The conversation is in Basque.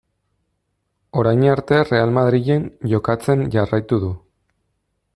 Orain arte Real Madrilen jokatzen jarraitu du.